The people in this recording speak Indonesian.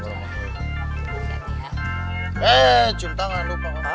eh cium tangan lupa lupa